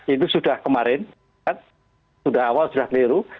itu sudah kemarin kan sudah awal sudah keliru